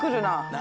何？